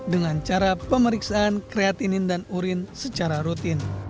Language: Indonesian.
dengan cara pemeriksaan kreatinin dan urin secara rutin